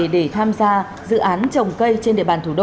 để tham gia dự án trồng cây trên địa bàn thủ đô